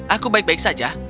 aku baik baik saja